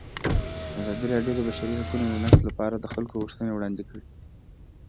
ازادي راډیو د د بشري حقونو نقض لپاره د خلکو غوښتنې وړاندې کړي.